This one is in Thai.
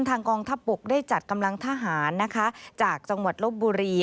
กองทัพบกได้จัดกำลังทหารนะคะจากจังหวัดลบบุรี